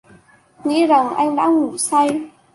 Nghĩ rằng anh đã đang ngủ say